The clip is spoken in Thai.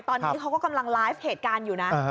ตอนนี้เขาก็กำลังไลฟ์เหตุการณ์อยู่นะ